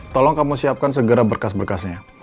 tolong kamu siapkan segera berkas berkasnya